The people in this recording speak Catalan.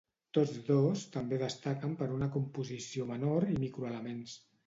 Tots dos també destaquen per una composició menor i microelements.